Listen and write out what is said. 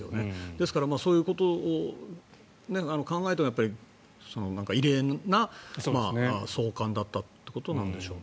ですから、そういうことを考えて異例な送還だったということでしょう。